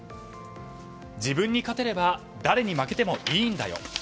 自分に勝てれば誰に負けてもいいんだよ。